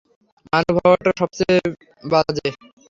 মানব হওয়াটা সবচেয়ে বাজে।